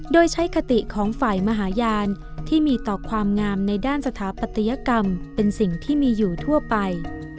โดยใช้คติของฝ่ายมหาญาณที่มีต่อความงามในด้านสถาปัตยกรรมเป็นสิ่งที่มีอยู่ทั่วไป